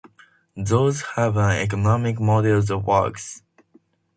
Those have an economic model that works.